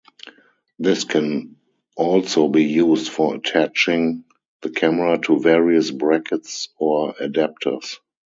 This can also be used for attaching the camera to various brackets or adapters.